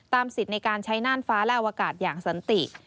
สิทธิ์ในการใช้น่านฟ้าและอวกาศอย่างสันติ